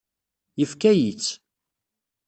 Yefka-yi-tt.